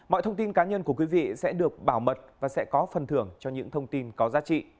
mọi thông tin cá nhân của quý vị sẽ được bảo mật và sẽ có phần thưởng